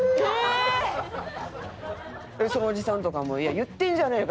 そのおじさんとかも「言ってんじゃねえか！」